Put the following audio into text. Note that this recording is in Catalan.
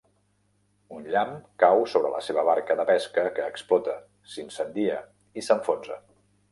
Un llamp cau sobre la seva barca de pesca que explota, s'incendia i s'enfonsa.